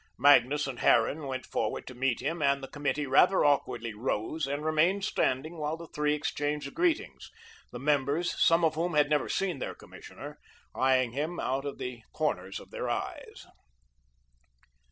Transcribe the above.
Magnus and Harran went forward to meet him, and the Committee rather awkwardly rose and remained standing while the three exchanged greetings, the members, some of whom had never seen their commissioner, eyeing him out of the corners of their eyes.